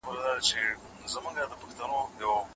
آیا تاسو پوهېږئ چې شطرنج په کوم هېواد کې رامنځته شوی دی؟